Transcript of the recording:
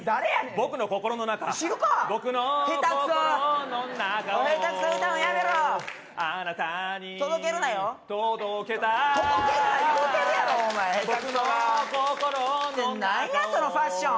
僕の心の中を何やそのファッション！